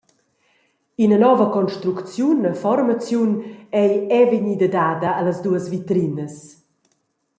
Ina nova construcziun e formaziun ei era vegnida dada allas duas vitrinas.